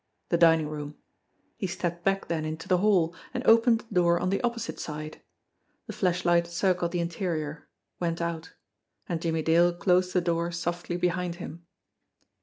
The dining room. He stepped back then into the hall, and opened a door on the opposite side. The flashlight circled the interior, went out AT A QUARTER TO THREE 213 and Jimmie Dale closed the door softly behind him.